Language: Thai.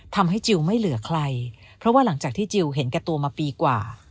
ทำให้จิลไม่เหลือใครเพราะว่าหลังจากที่จิลเห็นแก่ตัวมาปีกว่า